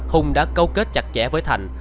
hùng đã câu kết chặt chẽ với thành